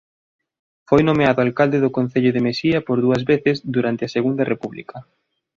Foi nomeado alcalde do Concello de Mesía por dúas veces durante a Segunda República.